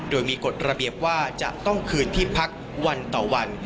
โดยมีกฎระเบียบว่าจะต้องคืนที่พักวันต่อวัน